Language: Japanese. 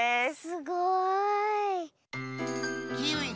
すごい。